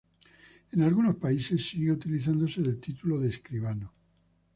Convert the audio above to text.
En algunos países sigue utilizándose el título de Escribano.